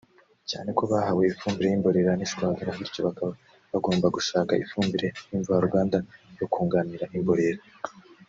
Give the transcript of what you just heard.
cyane ko bahawe ifumbire y’imborera n’ishwagara bityo bakaba bagomba gushaka ifumbire y’imvaruganda yo kunganira imborera